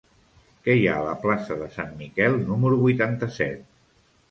Què hi ha a la plaça de Sant Miquel número vuitanta-set?